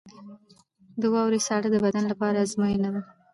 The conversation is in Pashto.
• د واورې ساړه د بدن لپاره ازموینه ده.